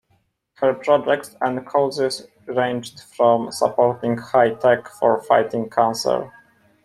Her projects and causes ranged from supporting high tech to fighting cancer.